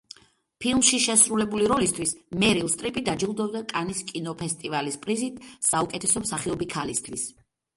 ფილმში შესრულებული როლისთვის მერილ სტრიპი დაჯილდოვდა კანის კინოფესტივალის პრიზით საუკეთესო მსახიობი ქალისთვის.